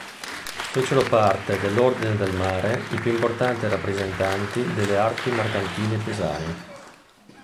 Fecero parte dell'Ordine del Mare i più importanti rappresentanti delle Arti mercantili pisane.